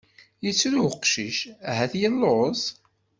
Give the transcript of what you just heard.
Yettru uqcic, ahat yelluẓ?